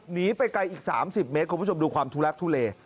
หนีไปไกลอีก๓๐เมตรคุณผู้ชมดูความทุลักทุเล